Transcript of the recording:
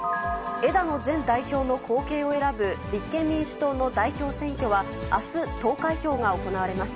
枝野前代表の後継を選ぶ立憲民主党の代表選挙はあす、投開票が行われます。